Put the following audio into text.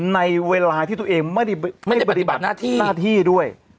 ในเวลาที่ตัวเองไม่ได้ปฏิบัติหน้าที่ด้วย